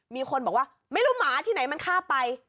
มีคนบอกว่าไม่รู้หมาที่ไหนมันฆ่าไป